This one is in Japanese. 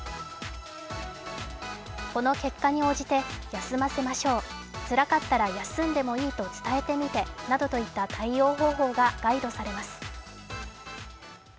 この結果に応じて、休ませましょう、つらかったら休んでもいいと伝えてみてなどといった対応方法がガイドされます。